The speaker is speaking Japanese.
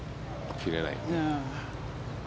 切れないね。